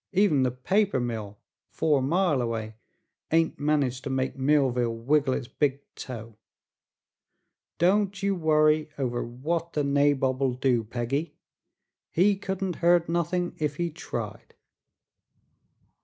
"Even the paper mill, four mile away, ain't managed to make Millville wiggle its big toe. Don't you worry over what the nabob'll do, Peggy; he couldn't hurt nuthin' if he tried."